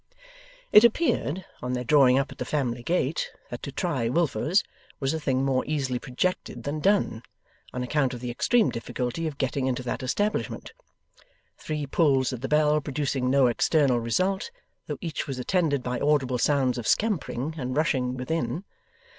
It appeared, on their drawing up at the family gate, that to try Wilfer's was a thing more easily projected than done, on account of the extreme difficulty of getting into that establishment; three pulls at the bell producing no external result; though each was attended by audible sounds of scampering and rushing within.